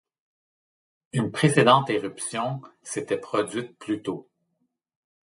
Une précédente éruption s'était produite plus tôt.